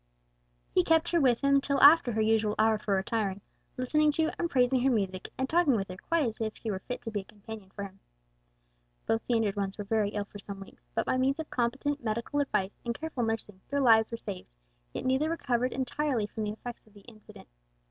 He kept her with him till after her usual hour for retiring, listening to, and praising her music and talking with her quite as if she were fit to be a companion for him. Both the injured ones were very ill for some weeks, but by means of competent medical advice and careful nursing, their lives were saved; yet neither recovered entirely from the effects of the accident.